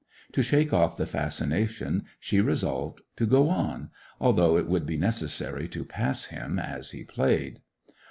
To shake off the fascination she resolved to go on, although it would be necessary to pass him as he played.